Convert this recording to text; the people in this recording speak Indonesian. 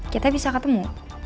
kita bisa ketemu